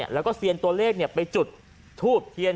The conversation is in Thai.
แล้วก็เซียนตัวเลขไปจุดทูบเทียน